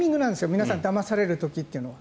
皆さんがだまされる時というのは。